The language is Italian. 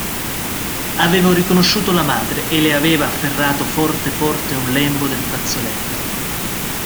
Aveva riconosciuto la madre, e le aveva afferrato forte forte un lembo del fazzoletto.